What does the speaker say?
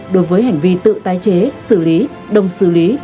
đối với hành vi tự tái chế xử lý đồng xử lý